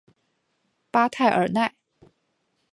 巴泰尔奈。